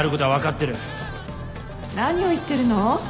何を言ってるの？